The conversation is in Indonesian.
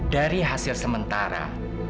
dari hasil sementara